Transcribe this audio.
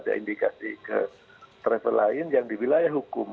ada indikasi ke travel lain yang di wilayah hukum